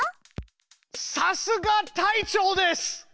さすが隊長です！